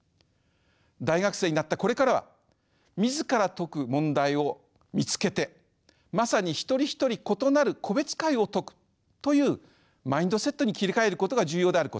大学生になったこれからは自ら解く問題を見つけてまさに一人一人異なる個別解を解くというマインドセットに切り替えることが重要であること。